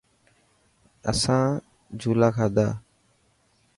آسان جهولا کادا.